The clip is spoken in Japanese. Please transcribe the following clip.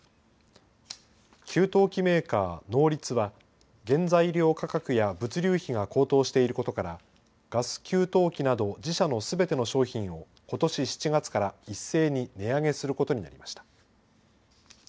給湯器メーカー、ノーリツは原材料価格や物流費が高騰していることからガス給湯器など自社のすべての商品をことし７月から一斉に値上げすることになりました。